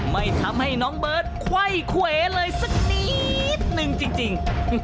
ไม่ทำให้น้องเบิร์ตไขว้เขวเลยสักนิดนึงจริง